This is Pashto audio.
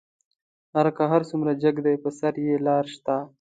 غر کۀ څومره جګ دى، پۀ سر يې لار شته.